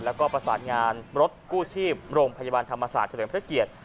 แล้วก็ประสานงานรถกู้ชีพโรงพยาบาลธรรมศาสตร์เฉลิมพระเกียรติ